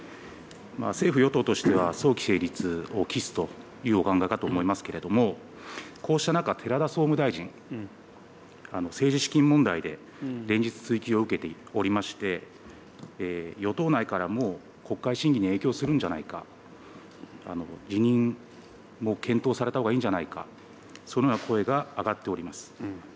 政府・与党としては早期成立を期すというお考えかと思いますけれども、こうした中、寺田総務大臣、政治資金問題で連日追及を受けておりまして、与党内からも国会審議に影響するんじゃないか、辞任も検討されたほうがいいんじゃないか、そのような声が上がっております。